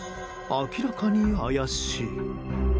明らかに怪しい。